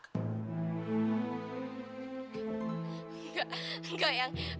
tapi dia sudah menangis